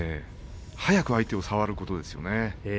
早く相手を触ることですね。